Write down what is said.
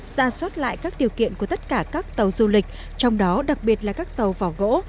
ra soát lại các điều kiện của tất cả các tàu du lịch trong đó đặc biệt là các tàu vỏ gỗ